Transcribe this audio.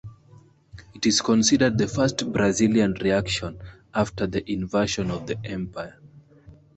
It is considered the first Brazilian reaction after the invasion of the Empire.